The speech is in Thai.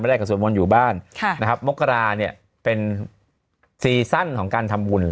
ไม่ได้กับสวดมนตร์อยู่บ้านค่ะนะครับมกราเนี่ยเป็นของการทำอุ่นเลย